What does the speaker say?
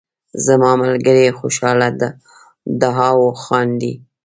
زما ملګری خوشحاله دهاو خاندي